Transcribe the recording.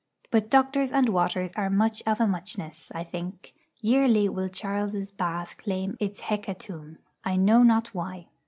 But doctors and waters are much of a muchness, I think. Yearly will Charles's Bath claim its hecatomb; I know not why.